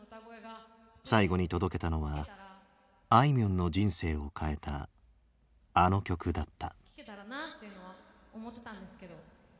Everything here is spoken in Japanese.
最後に届けたのはあいみょんの人生を変えたあの曲だった。